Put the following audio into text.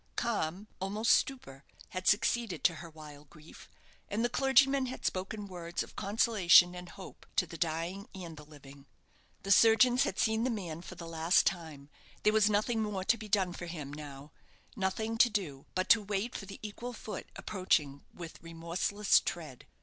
Calm almost stupor had succeeded to her wild grief, and the clergyman had spoken words of consolation and hope to the dying and the living. The surgeons had seen the man for the last time; there was nothing more to be done for him now nothing to do but to wait for the equal foot approaching with remorseless tread.